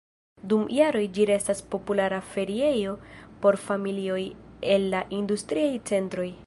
Dum jaroj ĝi restas populara feriejo por familioj el la industriaj centroj.